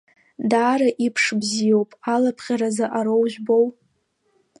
Даара иԥш бзиоуп, алапҟьара заҟароу жәбоу?